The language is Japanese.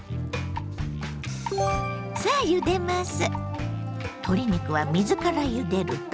さあゆでます。